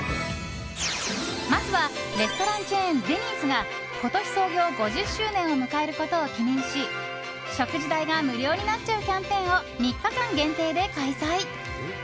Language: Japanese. まずはレストランチェーンデニーズが今年創業５０周年を迎えることを記念し食事代が無料になっちゃうキャンペーンを３日間限定で開催。